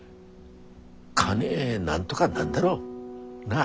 金なんとがなんだろう？なあ。